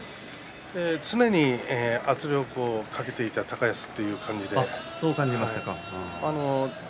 常に圧力をかけていた高安という感じでしたね。